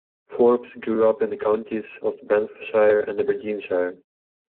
Forbes grew up in the counties of Banffshire and Aberdeenshire.